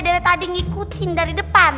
dari tadi ngikutin dari depan